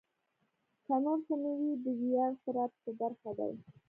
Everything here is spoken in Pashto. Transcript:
که نور څه نه وي دا ویاړ خو را په برخه دی.